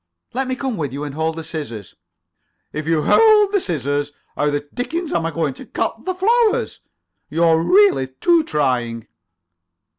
"Let me come with you and hold the scissors?" "If you hold the scissors, how the dickens am I going to cut the flowers? You're really too trying."